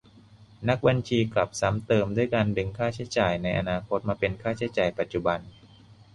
นักบัญชีกลับซ้ำเติมด้วยการดึงค่าใช้จ่ายในอนาคตมาเป็นค่าใช้จ่ายปัจจุบัน ?